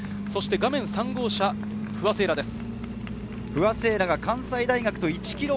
画面３号車、不破聖衣来です。